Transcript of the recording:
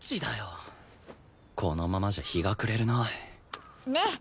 このままじゃ日が暮れるなねえ。